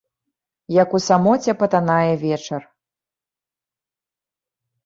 Як у самоце патанае вечар.